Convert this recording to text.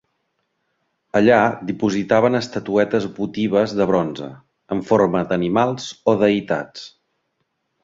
Allà dipositaven estatuetes votives de bronze, en forma d'animals o deïtats.